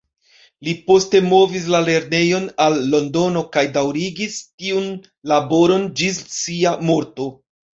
Li poste movis la lernejon al Londono kaj daŭrigis tiun laboron ĝis sia morto.